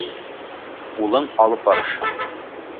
Улың алып барышһын.